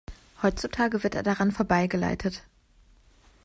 Heutzutage wird er daran vorbei geleitet.